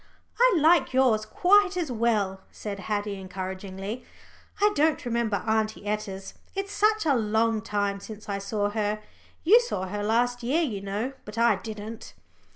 "I like yours quite as well," said Haddie encouragingly, "I don't remember Aunty Etta's; it's such a long time since I saw her. You saw her last year, you know, but I didn't."